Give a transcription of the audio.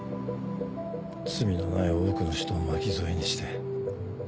罪のない多くの人を巻き添えにして。